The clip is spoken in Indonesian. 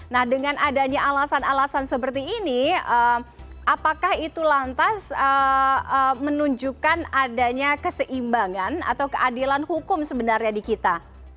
nah dengan adanya alasan alasan seperti ini apakah itu lantas menunjukkan adanya keseimbangan atau keadilan hukum sebenarnya di kita